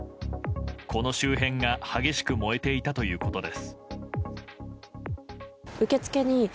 この周辺が激しく燃えていたということです。